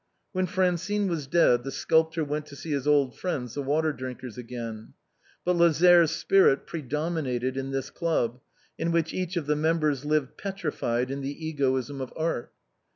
When Francine was dead the sculptor went to see his old friends the Water drinkers again. But Lazare's spirit predominated in this club, in which each of the members lived petrified in the egoism of art.